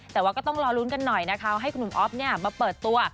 แต่ว่าก็ต้องรอลุ้นกันหน่อยนะคะว่าให้คุณหนุ่มอ๊อฟมาเปิดตัว